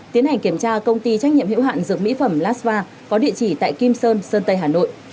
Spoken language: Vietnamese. tiến hành kiểm tra công ty trách nhiệm hiệu hạn dược mỹ phẩm lasva có địa chỉ tại kim sơn sơn sơn tây hà nội